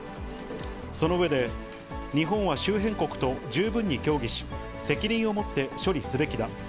その上で、日本は周辺国と十分に協議し、責任をもって処理すべきだ。